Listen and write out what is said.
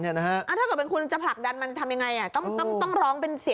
ถ้าเกิดอยู่คุณจะผลักดันมันเป็นยังไง